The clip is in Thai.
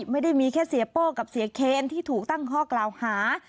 ไม่ได้มีแค่เสียโป้กับเสียเคนที่ถูกตั้งข้อกล่าวหา